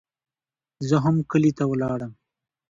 زه هم کلي ته ولاړم.